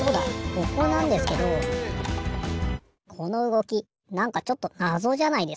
ここなんですけどこのうごきなんかちょっとなぞじゃないですか？